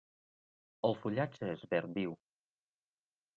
El fullatge és verd viu.